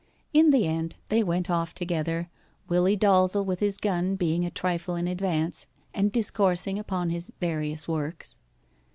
In the end they went off together, Willie Dalzel with his gun being a trifle in advance and discoursing upon his various works.